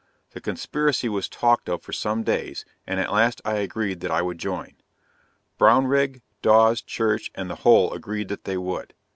The conspiracy was talked of for some days, and at last I agreed that I would join. Brownrigg, Dawes, Church, and the whole agreed that they would.